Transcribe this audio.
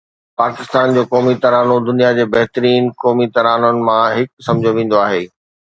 پاڪستان جو قومي ترانو دنيا جي بهترين قومي ترانون مان هڪ سمجهيو ويندو آهي